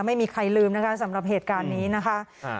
ไม่มีใครลืมนะคะสำหรับเหตุการณ์นี้นะคะ